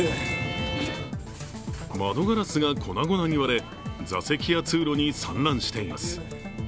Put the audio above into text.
窓ガラスが粉々に割れ、座席や通路に散乱しています。